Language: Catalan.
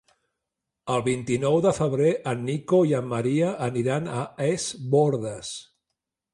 El vint-i-nou de febrer en Nico i en Maria aniran a Es Bòrdes.